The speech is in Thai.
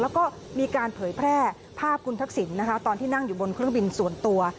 แล้วก็มีการเผยแพร่ภาพคุณทักษิณนะคะตอนที่นั่งอยู่บนเครื่องบินส่วนตัว